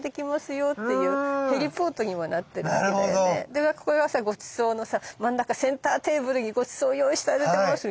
でここはさごちそうのさ真ん中センターテーブルにごちそう用意してあげてます！